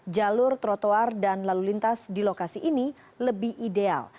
jalur trotoar dan lalu lintas di lokasi ini lebih ideal